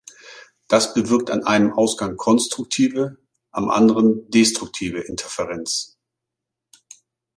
Das bewirkt an einem Ausgang konstruktive, am anderen destruktive Interferenz.